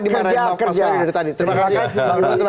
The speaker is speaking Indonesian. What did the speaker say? terima kasih pak zmajerit terima kasih